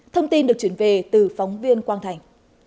thông tin được chuyển về từ phóng viên quang thành